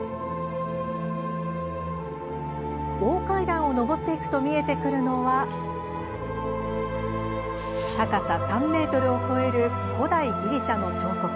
大階段を上っていくと見えてくるのは高さ３ｍを超える古代ギリシャの彫刻